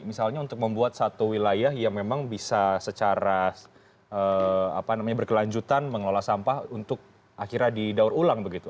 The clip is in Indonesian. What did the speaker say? misalnya untuk membuat satu wilayah yang memang bisa secara berkelanjutan mengelola sampah untuk akhirnya didaur ulang begitu